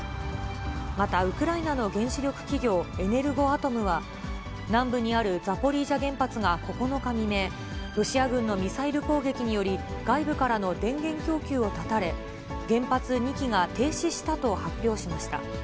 また、ウクライナの原子力企業、エネルゴアトムは、南部にあるザポリージャ原発が９日未明、ロシア軍のミサイル攻撃により、外部からの電源供給を断たれ、原発２基が停止したと発表しました。